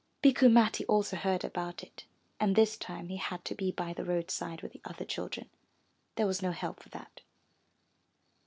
Bikku Matti also heard about it and this time he had to be by the roadside with the other children; there was no help for that.